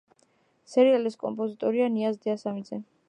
სერიალის კომპოზიტორია ნიაზ დიასამიძე.